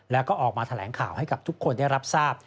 แล้วก็ออกมาแถลงข่าวให้กับทุกคนได้รับทราบ